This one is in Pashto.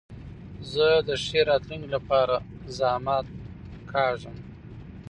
زه د ښې راتلونکي له پاره زحمت کاږم.